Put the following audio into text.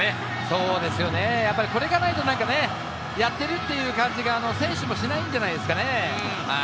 そうですね、これがないとなんかね、やってるっていう感じが選手もしないんじゃないですかね。